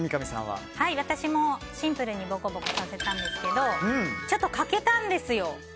私もシンプルにぼこぼこさせたんですけどちょっと欠けたんですよ。